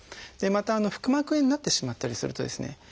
また腹膜炎になってしまったりするとですね